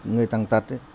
người tàng tật